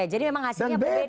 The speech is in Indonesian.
jadi memang hasilnya berbeda